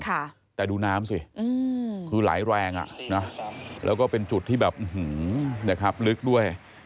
แต่ดูน้ำสิคือไหลแรงแล้วก็เป็นจุดที่แบบอื้อหือนี่ครับลึกด้วย